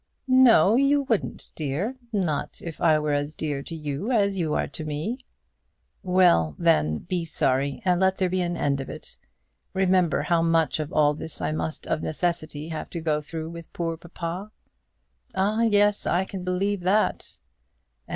"No, you wouldn't, dear; not if I were as dear to you as you are to me." "Well, then, be sorry; and let there be an end of it. Remember how much of all this I must of necessity have to go through with poor papa." "Ah, yes; I can believe that."